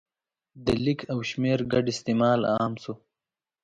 د لیک او شمېر ګډ استعمال عام شو.